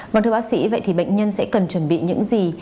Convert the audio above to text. vâng thưa bác sĩ vậy thì bệnh nhân sẽ cần chuẩn bị những gì